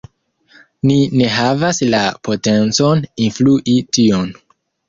Ni ne havas la potencon influi tion.